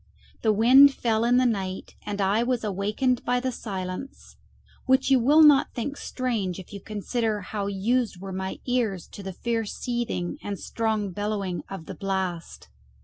The wind fell in the night, and I was awakened by the silence, which you will not think strange if you consider how used were my ears to the fierce seething and strong bellowing of the blast.